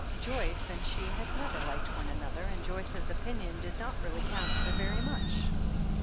Joyce and she had never liked one another, and Joyce's opinion did not really count for very much.